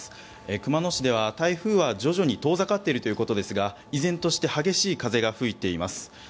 熊野市では台風は徐々に遠ざかっているということですが依然として激しい風が吹いています。